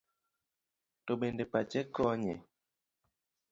To bende pache konye?